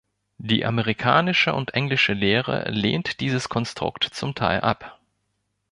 Die amerikanische und englische Lehre lehnt dieses Konstrukt zum Teil ab.